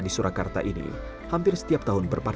disuluh utama itu untuk tempat tawa latlyan getirges